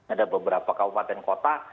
ada beberapa kabupaten kota